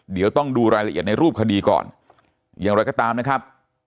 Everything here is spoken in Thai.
เดี๋ยวต้องดูรายละเอียดในรูปคดีก่อนอย่างไรก็ตามนะครับ